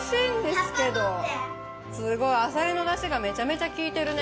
すごいあさりのだしがめちゃめちゃきいてるね。